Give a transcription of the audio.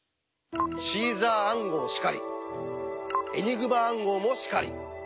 シーザー暗号しかりエニグマ暗号もしかり。